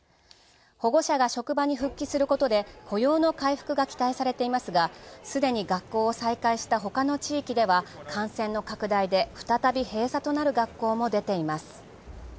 保護者が職場に復帰することで雇用の回復が期待されていますがすでに学校を再開したほかの地域では感染の拡大で再び閉鎖となる学校も出ています。